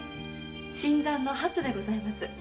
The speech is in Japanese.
新参の“はつ”でございます。